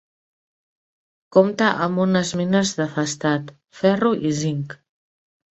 Compta amb mines de fosfat, ferro i zinc.